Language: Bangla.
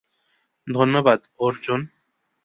ধন্যবাদ, অর্জুন।